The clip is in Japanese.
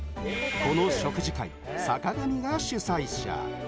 この食事会、坂上が主催者。